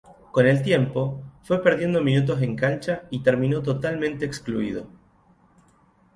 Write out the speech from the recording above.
Con el tiempo, fue perdiendo minutos en cancha y terminó totalmente excluido.